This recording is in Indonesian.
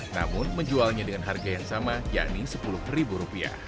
namun menjualnya dengan harga yang sama yakni sepuluh ribu rupiah